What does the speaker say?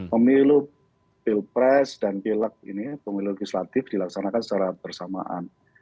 pemilu pilpres dan pilek ini pemilu legislatif dilaksanakan secara bersamaan